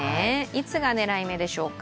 いつが狙い目でしょうか？